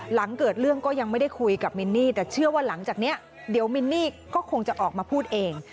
หลังเกิดเรื่องก็ยังไม่ได้คุยกับมินนี่แต่เชื่อว่าหลังจากนี้เดี๋ยวมินนี่ก็คงจะออกมาพูดเอง